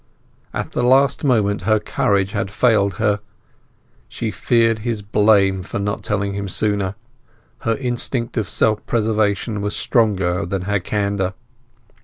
At the last moment her courage had failed her; she feared his blame for not telling him sooner; and her instinct of self preservation was stronger than her candour.